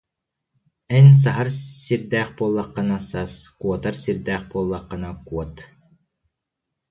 «Эн саһар сирдээх буоллаххына сас, куотар сирдээх буоллаххына куот»